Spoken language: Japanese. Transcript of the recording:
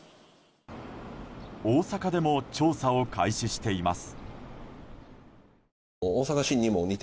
大阪でも調査を開始しています。